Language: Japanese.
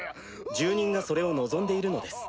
住人がそれを望んでいるのです。